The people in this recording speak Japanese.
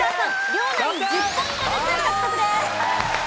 両ナイン１０ポイントずつ獲得です。